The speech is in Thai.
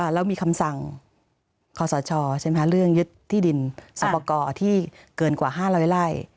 เรามีคำสั่งขอสอดชอบใช่ไหมเรื่องยึดที่ดินสอบประกอบที่เกินกว่าห้าร้อยไล่